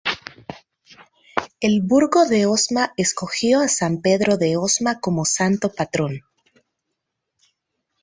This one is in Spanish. El Burgo de Osma escogió a San Pedro de Osma como santo patrón.